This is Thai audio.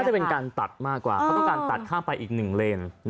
จะเป็นการตัดมากกว่าเขาต้องการตัดข้ามไปอีกหนึ่งเลน